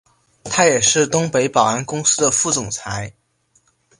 他也是东北保安公司的副总裁。